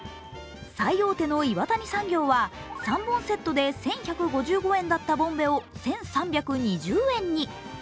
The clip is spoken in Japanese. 最大手の岩谷産業は３本セットで１１５５円だったボンベを１３２０円に。